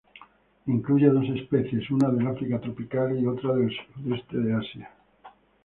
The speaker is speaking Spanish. Incluye dos especies; una del África tropical y otra del sudeste de Asia.